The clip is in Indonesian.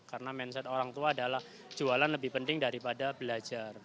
karena mindset orang tua adalah jualan lebih penting daripada belajar